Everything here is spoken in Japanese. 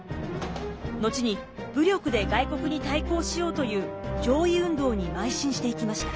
後に武力で外国に対抗しようという攘夷運動にまい進していきました。